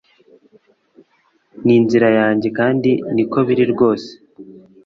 ni inzira yanjye kandi niko biri rwose